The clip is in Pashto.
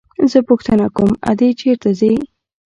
زه پوښتنه کوم ادې چېرته ځي.